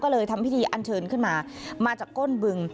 ก็เลยทำพิธีอันเชิญขึ้นมามาจากก้นบึง